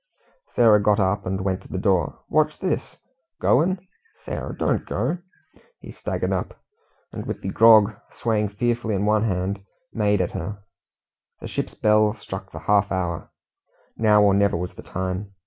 Sarah got up and went to the door. "Wotsh this? Goin'! Sarah, don't go," and he staggered up; and with the grog swaying fearfully in one hand, made at her. The ship's bell struck the half hour. Now or never was the time.